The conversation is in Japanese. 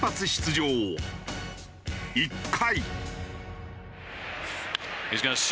１回。